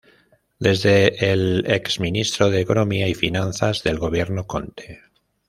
Desde el es Ministro de Economía y Finanzas del Gobierno Conte.